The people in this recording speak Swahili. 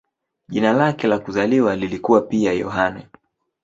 Jina lake la kuzaliwa lilikuwa pia "Yohane".